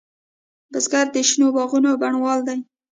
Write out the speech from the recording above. بزګر د شنو باغونو بڼوال دی